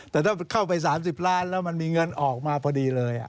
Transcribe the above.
แต่ถ้าเข้าไป๓๐ล้านแล้วมันมีเงินออกมาพอดีเลย